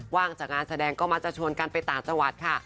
ว่างจากงานแสดงก็มักจะชวนกันไปต่างจังหวัดค่ะ